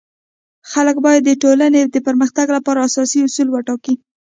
خلک باید د ټولنی د پرمختګ لپاره اساسي اصول وټاکي.